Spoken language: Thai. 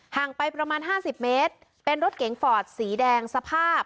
ห่างไปประมาณ๕๐เมตรเป็นรถเก๋งฟอร์ดสีแดงสภาพ